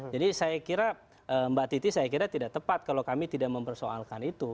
jadi saya kira mbak titi saya kira tidak tepat kalau kami tidak mempersoalkan itu